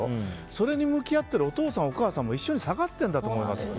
それに向き合ってるお父さんお母さんも一緒に下がってるんだと思います。